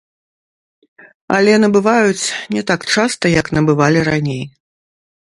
Але набываюць не так часта, як набывалі раней.